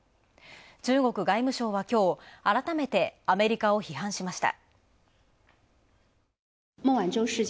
中国外務省はきょう、改めてアメリカを批判しました。